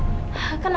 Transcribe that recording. lagi gak ada ya